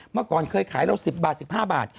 เมื่อก่อนเคยขายเรา๑๐บาท๑๕บาท